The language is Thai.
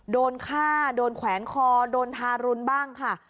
โดนฆ่าโดนแขวนคอโดนทารุณบ้างค่ะ